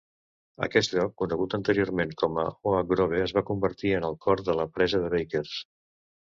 Aquest lloc, conegut anteriorment com a Oak Grove, es va convertir en el cor de la presa de Bakers.